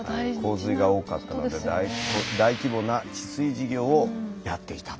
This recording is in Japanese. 洪水が多かったので大規模な治水事業をやっていたと。